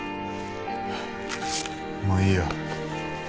もういいよ。